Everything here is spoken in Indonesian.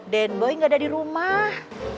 den boy gak ada di rumah